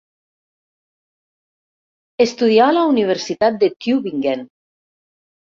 Estudià a la Universitat de Tübingen.